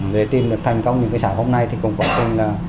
để tìm được thành công những cái xáo hôm nay thì cũng có tình là